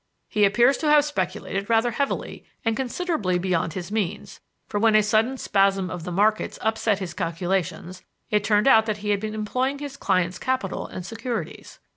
He appears to have speculated rather heavily and considerably beyond his means, for when a sudden spasm of the markets upset his calculations, it turned out that he had been employing his clients' capital and securities.